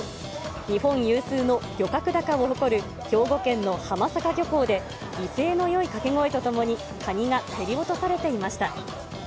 日本有数の漁獲高を誇る兵庫県の浜坂漁港で、威勢のよい掛け声とともにカニが競り落とされていました。